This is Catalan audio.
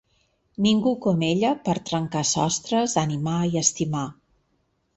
Ningú com ella per trencar sostres, animar i estimar.